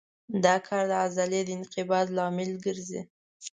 دا کار د عضلې د انقباض لامل ګرځي.